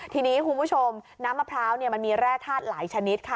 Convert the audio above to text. ทีนี้คุณผู้ชมน้ำมะพร้าวมันมีแร่ธาตุหลายชนิดค่ะ